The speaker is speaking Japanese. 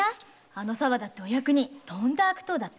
あの沢田ってお役人とんだ悪党だって。